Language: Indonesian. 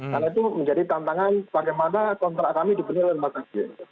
karena itu menjadi tantangan bagaimana kontrak kami dipenuhi oleh perumah sakit